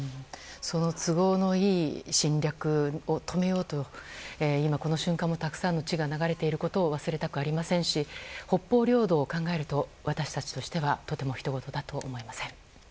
その都合のいい侵略を止めようと今、この瞬間もたくさんの血が流れていることを忘れたくありませんし北方領土を考えると私たちとしてはとてもひとごとだと思えません。